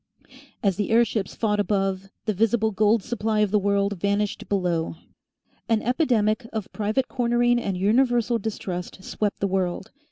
As the airships fought above, the visible gold supply of the world vanished below. An epidemic of private cornering and universal distrust swept the world.